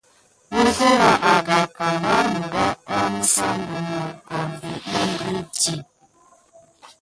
Ǝzǝra agapka, mbar mudatɗa mǝgilgǝn mogon va ɗih mbiriɗi.